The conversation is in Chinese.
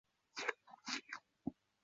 建筑的底层曾长期运营着两个博物馆。